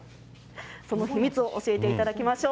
その秘密を教えていただきましょう。